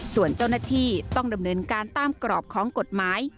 ส่วนเจ้าหน้าที่ต้องดำเนินการตามกรอบของกฎหมาย